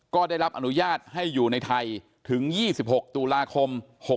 ก็ได้รับอนุญาตให้อยู่ในไทยถึง๒๖ตุลาคม๖๖